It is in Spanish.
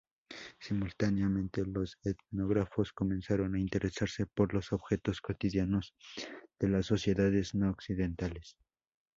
Simultáneamente, los etnógrafos comenzaron a interesarse por los objetos cotidianos de las sociedades no-occidentales.